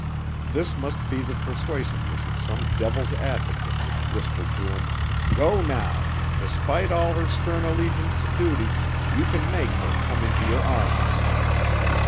This must be the persuasiveness of some devil's advocate which whispered to him: "Go now! Despite all her stern allegiance to duty you can make her come into your arms.